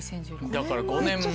だから５年前。